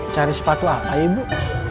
cari sepatu apa ibu